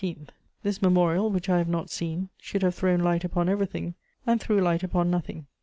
this memorial, which I have not seen, should have thrown light upon everything, and threw light upon nothing.